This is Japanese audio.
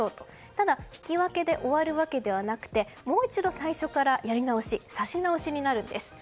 ただ引き分けで終わるわけではなくてもう一度、最初からやり直し指し直しになるんです。